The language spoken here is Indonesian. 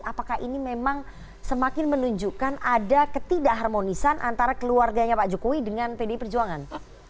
apakah ini memang semakin menunjukkan ada ketidakharmonisan antara keluarganya pak jokowi dengan pdp perjuangan